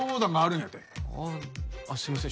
あああっすいません